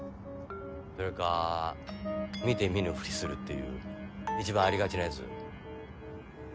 それか見て見ぬふりするっていう一番ありがちなやつ？